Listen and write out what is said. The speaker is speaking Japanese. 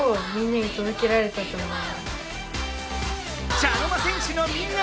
茶の間戦士のみんな！